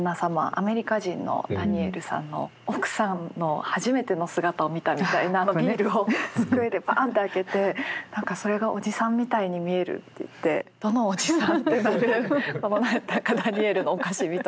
アメリカ人のダニエルさんの奥さんの初めての姿を見たみたいなビールを机でバンと開けて何かそれが「おじさんみたいに見える」って言って「どのおじさん？」ってなるこの何だかダニエルのおかしみとか。